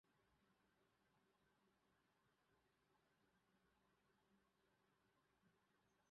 The following table shows the official results as published by the Electoral Commission.